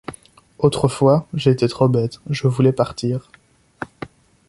Autrefois, j’étais trop bête, je voulais partir...